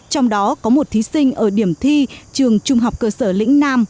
trong đó có một thí sinh ở điểm thi trường trung học cơ sở lĩnh nam